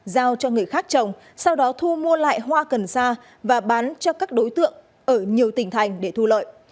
giao cho người khác trồng sau đó thu mua lại hoa cần sa và bán cho các đối tượng ở nhiều tỉnh thành để thu lợi